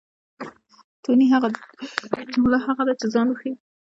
توني؛ جمله هغه ده، چي ځای وښیي.